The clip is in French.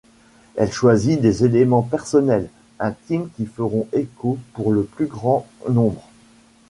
Elle choisit des éléments personnels, intimes qui feront échos pour le plus grand nombre.